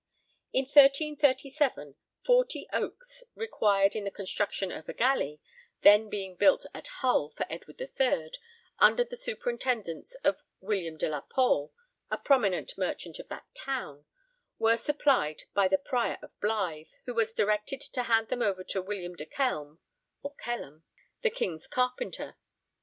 In 1337 forty oaks required in the construction of a galley, then being built at Hull for Edward III under the superintendence of William de la Pole, a prominent merchant of that town, were supplied by the Prior of Blyth, who was directed to hand them over to William de Kelm (Kelham), the king's carpenter (carpentario nostro).